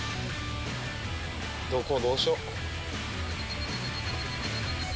どこどうしよう？